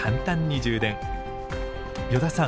依田さん